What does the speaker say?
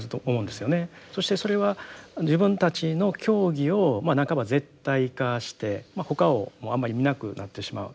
そしてそれは自分たちの教義を半ば絶対化して他をもうあんまり見なくなってしまう。